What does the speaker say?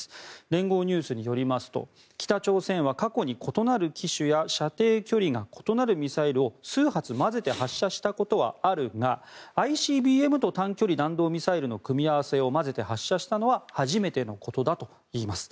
連合ニュースによりますと北朝鮮は過去に異なる機種や射程距離が異なるミサイルを数発混ぜて発射したことはあるがＩＣＢＭと短距離弾道ミサイルの組み合わせを混ぜて発射したのは初めてのことだといいます。